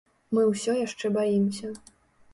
Мы ўсё яшчэ баімся.